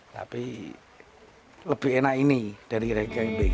tapi lebih enak ini dari reka yang begini